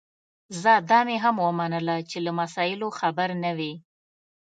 ځه دا مي هم ومنله چي له مسایلو خبر نه وې